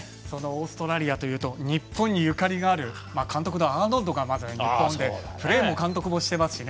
オーストラリアというと日本にゆかりのあるアーノルド監督がプレーも監督もしてますし。